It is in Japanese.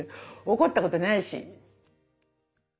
怒ったことないし。